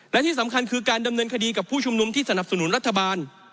และที่สำคัญคือการดำเนินคดีกับผู้ชุมนุมที่สนับสนุนรัฐบาล